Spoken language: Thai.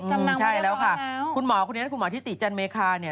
ใช่แล้วค่ะคุณหมอคนนี้คุณหมอทิติจันเมคาเนี่ย